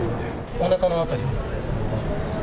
おなかの辺りですか？